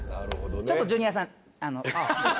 ちょっとジュニアさんあの。